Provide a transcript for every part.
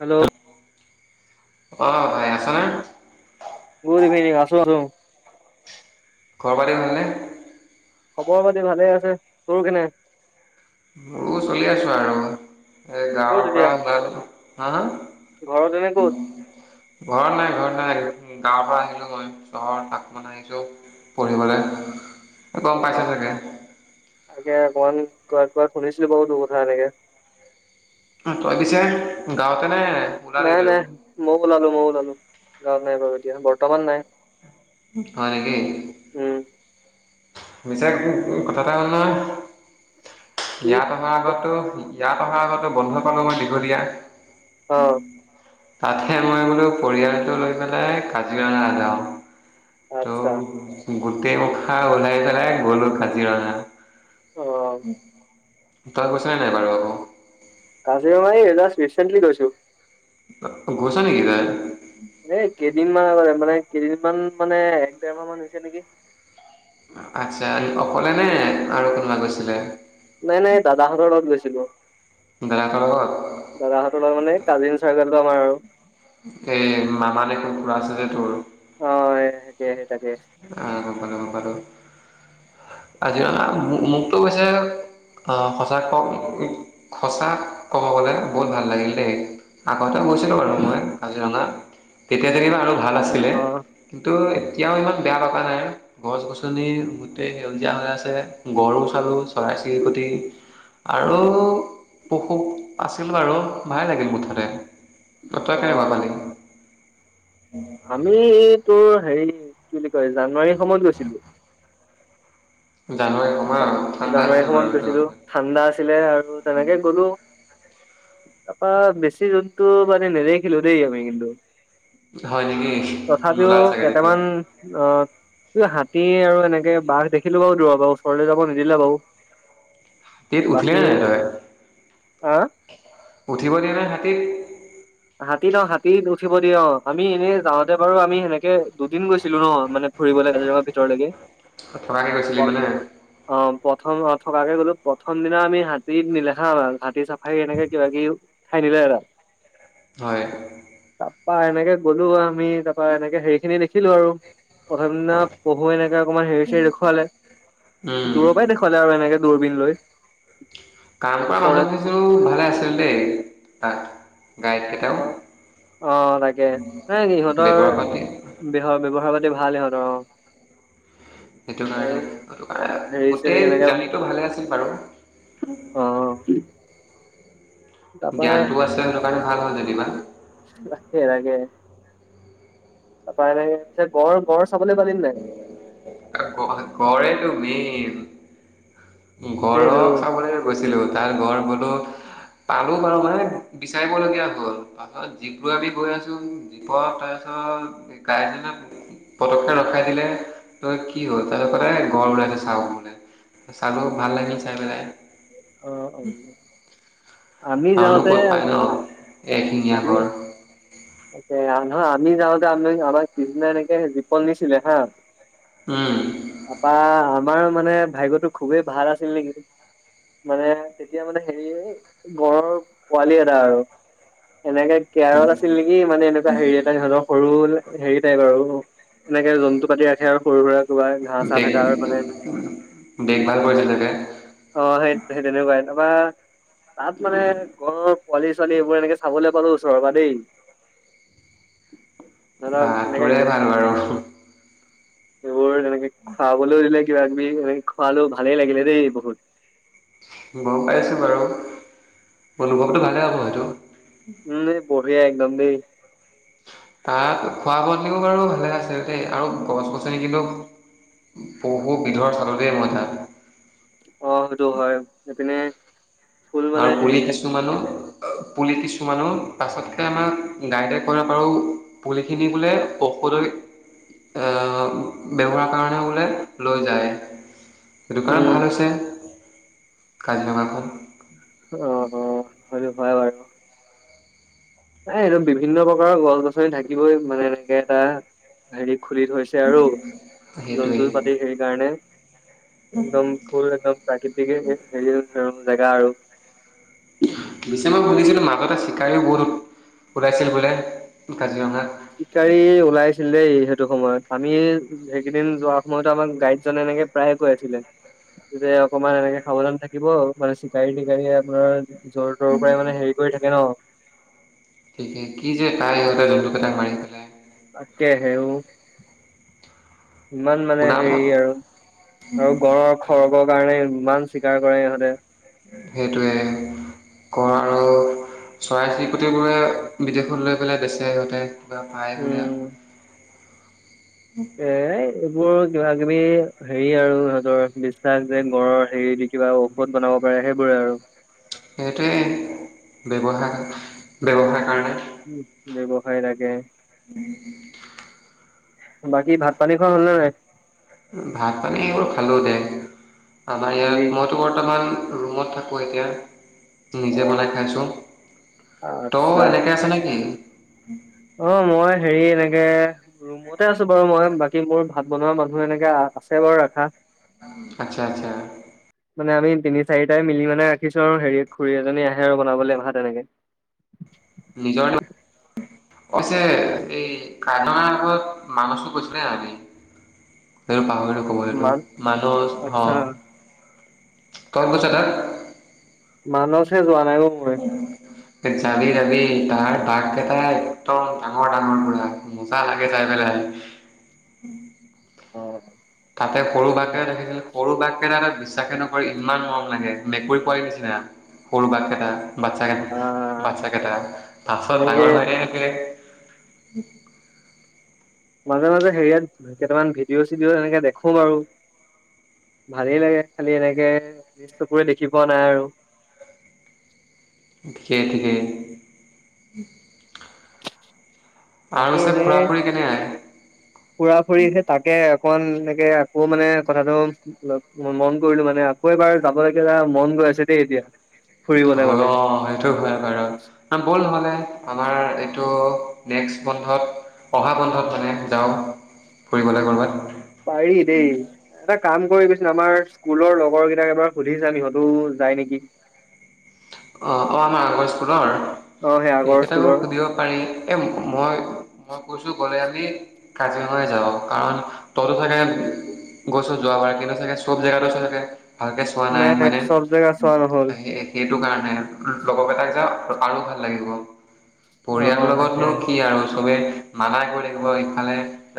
Hello. অ', ভাই আছনে? Good evening. আছোঁ, আছোঁ। খবৰ পাতি ভাল নে। খবৰ পাতি ভালে আছে তোৰ কেনে। ত চলি আছো আৰু এই ক'ত গাঁৱৰ এতিয়া পৰা [unintelligible] হা, ঘৰত এনে ক'ত? ঘৰত নাই ঘৰত নাই গাঁৱৰ পৰা আহিলো মই চহৰত তাত মানে আহিছো পঢ়িবলে। গম পাইছা চাগে? কে অকমান কোৱা শুনিছিলো বাৰু তোৰ কথা এনেকে। তই পিছে গাঁৱতে নে ওলালি নাই তইও? নাই মইও ওলালোঁ মইও ওলালোঁ। গাঁৱত নাই বাৰু এতিয়া বৰ্তমান নাই। হয় নেকি? উম মিছাকে কথা এটা হ'ল নহয়। কি ইয়াত অহাৰ আগতো ইয়াত অহাৰ আগতে [unintelligible] দীঘলীয়া। অ উম। তাতহে মই বোলো পৰিয়ালটো লৈ পেলাই কাজিৰঙা যাওঁ। ত আচ্ছা উম্। গোটেই মখা ওলাই পেলাই গ'লো কাজিৰঙা। অ উম। তই গৈছে নাই বাৰু আকৌ? কাজিৰঙা এই জাষ্ট ৰিচেণ্টলী গৈছে। গৈছ নেকি তই? এ কেইদিনমান [unintelligible] মানে কেইদিনমান মানে এক ডেৰ মাহ মান হৈছে নেকি। আচ্ছা, অকলে নে আৰু কোনোবা গৈছিলে? নাই নাই, দাদাহঁতৰ লগত গৈছিলো। দাদাহঁতৰ লগত? দাদাহতৰ লগত মানে এই কাজীন চা [unintelligible] এ মামা নে খুৰা আছে যে তোৰ। অ', [unintelligible] আহ, গম পালোঁ, গম পালোঁ। কাজিৰঙা মোকটো [unintelligible] সঁচা ক'ব গলে বহুত ভাল লাগিল দেই। আগতে গৈছিলোঁ বাৰু মই কাজিৰঙা। তেতিয়া [unintelligible] আৰু ভাল আছিলে অ কিন্তু এতিয়াওঁ ইমান বেয়া লগা নাই গছ-গছনি গোটেই। সেউজীয়া হৈ আছে গৰু চালোঁ। চ'ৰাই-চিৰিকটি। আৰু পশু আছিল বাৰু ভালে লাগিল বো ভালে। তই কেনেকুৱা অ পালি। আমি তোৰ হেৰি কি বুলি কয়, জানুৱাৰী সময়ত গৈছিলো। জানুৱাৰী সময় তাৰপা ঠাণ্ডা জানুৱাৰী আছিল বাৰু সময়ত গৈছিলোঁ সেইটো ঠাণ্ডা আছিলে আৰু তেনেকে গলোঁ। তাপা বেছি জন্তু মানে নেদেখিলোঁ দেই আমি কিন্তু। হয় নেকি তথাপিওঁ নোলাল চাগে তেতিয়া কেটামান অ'। এই হাতী আৰু এনেকে বাঘ দেখিলো বাৰু দূৰপা উচৰলে যাব নিদিলে বাৰু। তেত' উঠিলি বাকী নে নাই তই আ উঠিব দিয়ে নে [inaudible] হাতীত অ', হাতীত উঠিব দিয় অ', আমি এনেই যাওঁতে বাৰু আমি সেনেকে দুদিন গৈছিলো ন মানে ফুৰিব লাগ কাজ কা ভিতৰলৈকে থকাকে গৈছিলি অ', মানে অ'। প্ৰথম অ', থকাকে গ'লো প্ৰথম দিনা আমি হাতী নিলেখাম আৰু হাতী চাফাৰী এনেকে কিবা কিবি ঠাই নিলে এৰা। হয়। তা এনেকে গ'লো আমি তাৰাপা এনেকে হেৰি খিনি দেখিলো আৰু প্ৰথম দিনা পঢ়ুৱে এনেকে অকণমান হেৰি চেৰি দেখুৱালে উম দূৰৰ পৰাই দেখুৱালে আৰু এনেকে দূৰবিন লৈ। কাম কৰা ওচৰলে মানুহ কিছু ভালে আছিল দেই তাত। গাইডকেইটাও অ', অ', তাকে ন' বেগৰ পাতি সিহঁতৰহ ব্যৱহাৰ বা ভাল সিহঁতৰ। সেইটো কাৰণে সটো কাৰ চেৰি গোটেই এনেকে জাৰ্ণিটো ভালে আছিল বাৰু। অ তাৰপা জ্ঞান তো আছে ন'। ভাল হয় যেনিবা। বাকে লাগে। তাপা এনেকে গড় গড় চাবলৈ পালি নাই কৰে তোমেই মেন। সেইটো ঘৰক খাবলৈ গৈছিলো তাৰ ঘৰ বলো পালো বাৰু মানে বিচাৰিবলগীয়া হ'ল পাৰছত জীপ ল গৈ আছো জীপত তাৰপিছত গাইজক পদক্ষেপ ৰখাই থাকিলে ত কি হ'ল তাৰ কাই গড় ওলাইছে চা বলে চালো ভাল লাগিল, চাই পেলাই অ', অহ। আমি যাওঁতে টেঙীয়া ঘৰ ত আমি যাওঁতে আমি আমাৰ কৃষ্দিনা এনেকে জীপন নিছিলে হা উম আপা আমাৰ মানে ভাগ্য টো খুবেই ভাল আছিল নেকি মানে তেতিয়া মানে হেৰি গড়ৰ পোৱালি এটা আৰু এনেকে কেৰল নেকি মানে এনেকুৱা হেৰি এটা সহতৰ সৰু হেৰি টাইপ আৰু এনেকে জন্তু পাতি ৰাখে আৰু সৰু-সুৰা দেখ ভাল কৰিছে চে অ সেই সেই তেনেকাই [unintelligible] তাত মানে ঘৰৰ পোৱালি ছোৱালী এইবোৰ এনেকে চাবলৈ পালো ওচৰৰ পৰা দেই ধৰক এনেকে বাঁটোৰে ভাল আৰু এইবোৰ তেনেকে খুৱাবলৈও দিলে কিবা কিবি এনেকে খোৱালো ভালেই লাগিলে দেই বহুত। গম পাইছোঁ বাৰু অনু অনুভৱতটো ভালে হ'ব সেইটো উম বঢ়িয়া আহ গাম্বি তাত খোৱা বোৱাও বাৰু ভালে আছিল দেই আৰু গছ-গছনি কিন্তু পহু বিধৰ চালতেৱ মথা। অ সেইটো হয় সেই পিনে আৰু পুলি কিছুমানৰ পুলি কিছুমানো পাছতকৈ আমাক গাইডে কৰিব পাৰোঁ পুলিখিনি বোলে ঔষধ অ', ব্যৱহাৰ কাৰণে বোলে লৈ যায়। স দোকান উম ভাল হৈছে কাজিৰঙাখন অ', অ', হয়। হয় বাৰু। নাই এইদম বিভিন্ন প্ৰকাৰৰ গছ গছনি থাকিবই মানে এনেকে এটা হেৰি খুলি থৈছে আৰু সেইটোৱেই জন্তু পাতি সেইকাৰণে একদম ফুল একদম প্ৰাকৃতিকে হেৰি জেগা আৰু। পিছে মই শুনিছিলো মাজতে চিকাৰিও বহুত ওলাইছিল বোলে কাজিৰঙাত চিকাৰী ওলাইছিল দেই সেইটো সময়ত আমি সেইকেইদিন যোৱা সময়তো আমাক গাইডজনে এনেকে প্ৰায়ে কৈ আছিলে যে অকনমান এনেকে সাৱধান থাকিব মানে চিকাৰি তিকাৰি আপোনাৰ জ্বৰ তৰৰ পৰাই মানে হেৰি কৰি থাকে ন'। কি কে কি যে কাই সিহঁতে জন্তুকেইটাক মাৰি পেলাই তাকেহে অ'। ইমান মানে শুনা হেৰি মত আৰু। আৰু গড়ৰ খৰ্গৰ কাৰণে ইমান। চিকাৰ কৰে ইহঁতে। সেইটোৱে কৰো চৰাই চিৰিকটিবোৰে বিদেশত লৈ পেলাই বেচে সিহঁতে। [inaudible] উম এ'। মোৰ কিবা কিবি হেৰি আৰু সিহঁতৰ বিশ্বাস যে, গঁড়ৰৰ হেৰি দি কিবা ঔষধ বনাব পাৰে সেইবোৰে আৰু সেইটোৱে ব্যৱহাৰ, ব্যৱহাৰ কাৰণে। উ', ব্যৱসায় লাগে। [inaudible] বাকী ভাত পানী খোৱা হ'লনে নাই ভাত পানী এইবোৰ খালো দে'। আমাৰ কালি ইয়াত মইতো বৰ্তমান ৰুমত থাকো এতিয়া। অ নিজে বনাই খাইছোঁ। আচ্ছা তই এনেকে আছনে কি? [inaudible] অ', মই হেৰি এনেকে ৰুমতে আছো বাৰু মই। বাকী মোৰ ভাত বনোৱা মানুহ এনেকে আছে বাৰু ৰাখা। আচ্ছা, আচ্ছা। মানে আমি তিনি, চাৰিটাই মিলি মানে ৰাখিছো আৰু হেৰি খুৰী এজনী আহে আৰু বনাবলৈ আহে ভাত এনেকে। নিজৰ অছে এই [inaudible] আগত মানুছটো কৈছিলে আজি হেইটো পাহৰি মান [inaudible] মানস হ' আচ্ছা কৰ্কচাদ মানসে যোৱা নাই [unintelligible] যাবি যাবি তাৰ বাঘ কেইটা একদম ডাঙৰ, ডাঙৰ পুৰা মজা লাগে চাই পেলাই। তাতে সৰু বাঘকেইটা দেখিছিল সৰু বাঘকেইটা তাত বিশ্বাসে নকৰি ইমান মৰম লাগে মেকুৰী পোৱালীৰ নিচিনা। সৰু বাঘকেইটা বাচ্ছাক কেই আহ বাচ্ছাকেইটা বাছত এনেকে ডাঙৰ হয় থাকিলে উম। মাজে মাজে হেৰিয়াত কেইটামান ভিডিঅ' চিডি' এনেকে দেখো বাৰু ভালেই লাগে খালি এনেকে ল চকুৰে দেখি পোৱা নাই আৰু। খিকেট্ৰ [inaudible] বাকী এনে ফুৰা ফুৰি কেনে হয় ফুৰা ফুৰিছে তাকে অকন এনেকে আকৌ মানে কথাটো মন কৰিলো মানে আকৌ এবাৰ যাব লগগীয়া মন গৈ আছে দেই এতিয়া। ফুৰিবলে মানে অ', সেইটো হয় বাৰু ব'ল হ'লে আমাৰ এইটো নেক্সট বন্ধত অহা বন্ধত মানে যাওঁ ফুৰিবলৈ ক'ৰবাত। পাৰি দেই। কাম কৰিবিচো আমাৰ কুলৰ লগৰ কেইটাক এবাৰ সুধিচাং সিহঁতো ও ও যায় নেকি? অ অ আমাৰ আগস্কুলৰ অ সেই আগৰ এইকেটাকো স্কুলৰ সুধিব পাৰি, এ ম ম মই-মই কৈছো গলে ই ই কাজিৰঙাই যাব। কাৰণ তয়টো ও চাগে গৈচ যোৱাবাৰ, কিন্তু চাগে চব জেগাটো চোৱাকে ভাকে চোৱা নাই, মই চব জেগা চোৱা নহল তিয়া হে একে টো কাৰ? লগৰক এটাক যে আৰু ভাল লাগিব। অ পৰিয়াল তাকে লগতনো কি আৰু চবেই নানাই গৈ লাগিব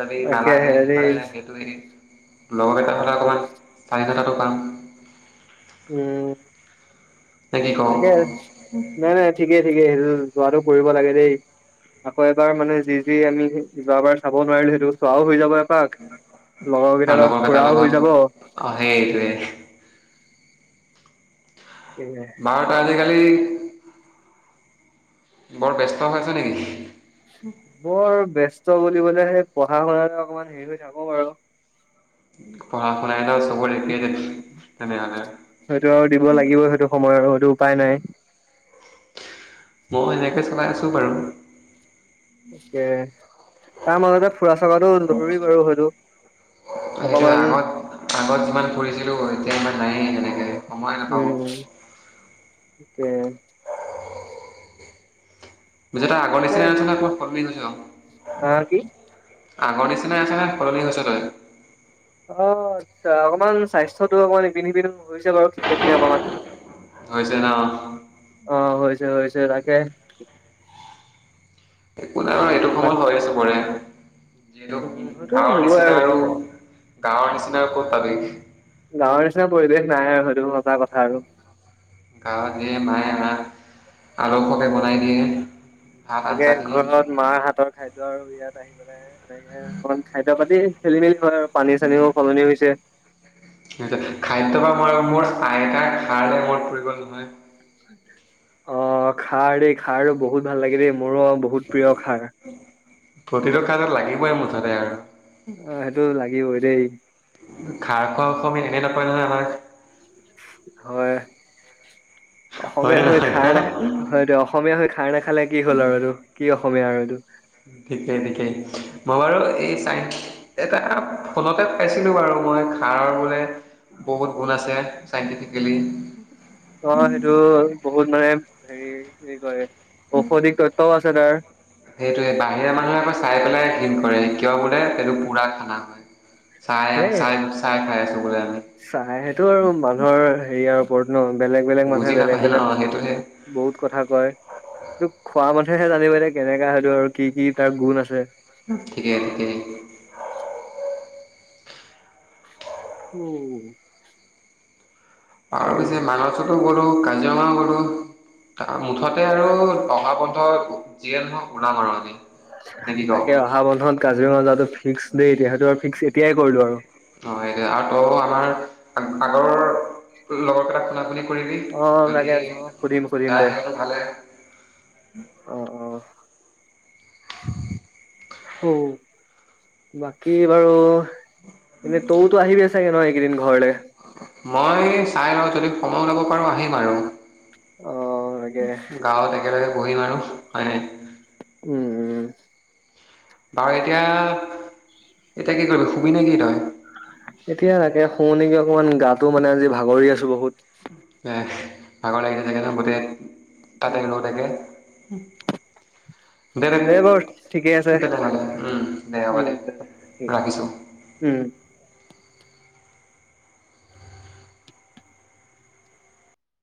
ইফালে তাকেহে দেই [unintelligible] লগৰ এটা হ'লে অকণমান চাৰি হাজাৰ টকা উম কি কওঁ নাই নাই ঠিকেই ঠিকে সেইটো যোৱটো কৰিব লাগে দেই আকৌ এবাৰ মানে যি যি আমি যোৱাবাৰ চাব নোৱাৰিলো সেইটো চোৱাও হৈ যাব লগৰ আৰু কেইটা তাত লগৰকেইটাৰ ফুৰাও লগত হৈ যাব। অ' সেইটোৱে তাকে বাৰটা আজিকাল বৰ ব্যস্ত হৈ আ হৈছে নেকি বৰ ব্যস্ত বুলিব সেই পঢ়া শুন অকমান হেৰি হৈ থাক বাৰু পঢ়া শুনাই [unintelligible] তেনেহলে সেইটো আৰু দিব লাগিব সেইটো সময় আৰু সেইটো উপাই নাই। মই এনেকৈ চলাই আছো বাৰু [inaudible] তাৰ মাজতে ফুৰা চকাটো জৰুৰী বাৰু হয়টো সেইটো অকমান আগত আগত যিমান ফুৰিছিলো এতিয়া ইমান নায়েই তেনেকে সময় নাপাব উম [inaudible] নিজতে আগ নিচি নল অ'। অ', কি? আগৰ নিচিনাই আছেনে সলনি হৈছে তই? অ', আচ্ছা অকণমান স্বাস্থ্যটো অকমান ইপিন সপিন হৈছে বাৰু খখি অকমান। হয় হৈছে ন অ হৈছে হৈছে তাকে একো নাই অ', এইটো বাক সময় হৈ চবৰে। যিহেতু উম সেইটো গাৱৰ হ'বই নিচিনা সেইটো আৰু গাঁৱৰ নিচিনা ক'ত পাবি গাঁৱৰ নিচিনা পৰিৱেশ নাই আৰু সেইটো সঁচা কথা আৰু গাঁৱত দিয়ে মায়ে আমাক আল পকে বনাই দিয়ে। ভাত তাকে আঞ্জাখিনি ঘৰত মাৰ হাতৰ খাদ্যয় আৰু ইয়াত আহি পেলাই এনেকে অকমান খাদ্য পাতি খেলি- মেলি হয় আৰু। পানী চানীও সলনি হৈছে। খাদ্য বা মই মোৰ আইতাৰ খাৰলে মন পৰি গল নহয় অ', খা দেই খাৰ বহুত ভাল লাগে দেই। মোৰো অ বহুত প্ৰিয় খাৰ প্ৰতিটো কাৰণত লাগিবই মুঠতে আৰু অ সেইটো লাগিবই দেই খাৰ খোৱা অসমী এনে নাপাই নহয় আমাৰ। হয় হয়নে অসমীয়া হৈ নহয় খাৰ হা নাখা হয়টো অসমীয়া হৈ খাৰ নাখালে কি হ'ল আৰু এইটো কি অসমীয়া আৰু এইটো ঠিকেই ঠিকেই মই বাৰু এই চাই এটা ফোনতে পাইছিলোঁ বাৰু মই খাৰৰ বোলে বহুত গুণ আছে চাইণ্টিফিকেলি অ সেইটো বহুত মানে হেৰি কি কয় ঔষধি তত্ত্ব আছে তাৰ সেইটোৱে বাহিৰা মানুহে আকৌ চাই পেলাই ঘণ কৰে কিয় বোলে এইটো পুৰা খানা হয় চাই সেই চাই চাই খাই আছোঁ বোলে আমি চাই সেইটো আৰু মানুহৰ হেৰিয়াৰ ওপৰত ন বেলেগ বেলেগ মানুহে বুজি বেলেগ নাপায় ন বেলেগ সেইটোহে বহুত কথা কয় এইটো খোৱা মানুহ নিজে হে জানিব এ কেনেকা সেইটো আৰু কি কি তাৰ গুণ আছে ঠিকে, ঠিকে। উম। আৰু যে মানছতো গ'লো ঙ কৰো তাৰ মুঠতে আৰু পহা পন্থ যিয়ে নহওঁক উনা মৰ আজি তাকে অহা বন্ধত কাজিৰঙা যোৱাটো ফিক্স দেই তেতিয়ো আৰু ফিক্সে এতিয়াই কৰিলো আৰু অ', সেইটো আৰু ত আমাৰ আগৰ লগৰ কেইটাক শুনাপুনি অ লাগে লাগে অ সুধিম সুধিম যাই দে সিহঁতো ভালে অ অ অ বাকী বাৰু এনেই তয়োতো আহিবিয়ে চাগে নহয় কেইদিন ঘৰলৈ মই চাই লওঁ যদি সময় ওলাব পাৰোঁ আহিম আৰু অ' তাকে গাঁৱত একেলগে পঢ়িম আৰু হয়ানে উম উম বাৰু এতিয়া এতিয়া কি কৰিবি সুবি নে কি তই এতিয়া তাকে শুও নেকি অকণমান গাটো মানে আজি ভাগৰি আছো বহুত এ ভাগৰ লাগিয়ে থাকে ন গোটেই তাতে ল উম তাকে দে দে বাৰু ঠিকে আছে তেলে হলে উ দে হ'ব উম দে ঠিক ৰাখিছো উম।